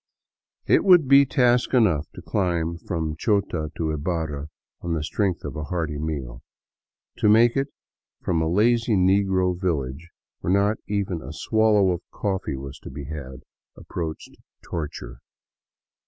It would be task enough to climb from Chota to Ibarra on the strength of a hearty meal ; to make it from a lazy negro village, where not even a swallow of coffee was to be had, approached torture.